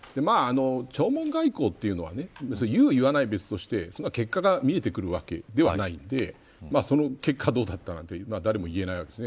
弔問外交というのは言う言わないは別として結果が見えてくるわけではないのでその結果がどうだったなんて誰も言えないわけです。